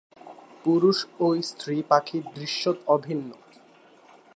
পুরুষ ও স্ত্রী পাখি দৃশ্যত অভিন্ন।